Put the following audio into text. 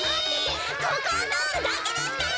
ここをとおるだけですから！